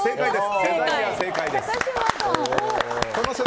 正解です。